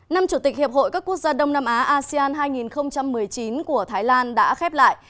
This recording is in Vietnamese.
năm chủ tịch hiệp hội các quốc gia đông nam á asean hai nghìn một mươi chín của thái lan đã khép lại